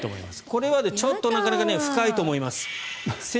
これはちょっとなかなか深いと思います。